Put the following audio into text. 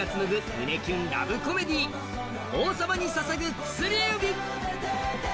キュンラブコメディー「王様に捧ぐ薬指」。